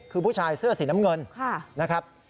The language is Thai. คือผู้ชายเสื้อสีน้ำเงินนะครับ